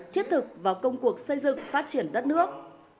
thiết thực vào công cuộc xây dựng phát triển đất nước